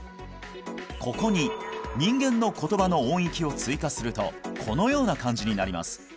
ここに人間の言葉の音域を追加するとこのような感じになります